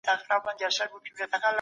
د پوهي رڼا بايد هر کور ته ورسيږي.